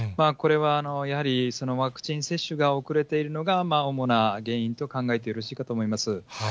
これはやはり、ワクチン接種が遅れているのが、主な原因と考えてよろしいかと思います。